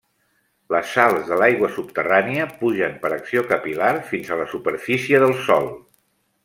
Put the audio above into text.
Les sals de l’aigua subterrània pugen per acció capil·lar fins a la superfície del sòl.